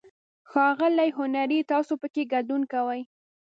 ښاغلی هنري، تاسو پکې ګډون کوئ؟